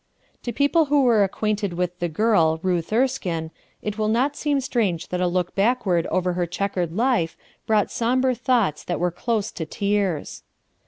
To people who were acquainted with the girl, Huth Erskine, it will not seem strange that a WHIMS 5 look backward over her checkered life brought sombre thoughts that were close to tears.